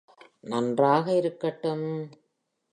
நன்றாக இருக்கட்டும்.